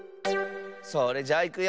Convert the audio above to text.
それじゃいくよ。